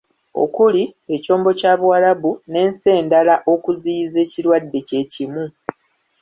Okuli; Ekyombo kya Buwarabu, n'ensi endala okuziyiza ekirwadde kye kimu.